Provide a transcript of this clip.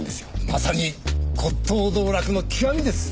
まさに骨董道楽の極みです！